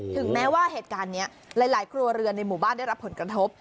ถึงแม้ว่าเหตุการณ์นี้หลายครัวเรือนในหมู่บ้านได้รับผลกระทบ